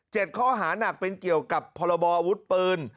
ข้อหานักเป็นเกี่ยวกับพรบออาวุธปืน